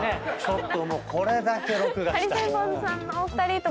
ちょっともうこれだけ。